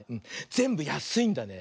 ぜんぶやすいんだね。